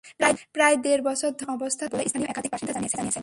প্রায় দেড় বছর ধরে এমন অবস্থা চলছে বলে স্থানীয় একাধিক বাসিন্দা জানিয়েছেন।